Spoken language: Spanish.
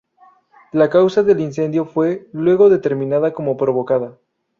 La causa del incendio fue luego determinada como provocada.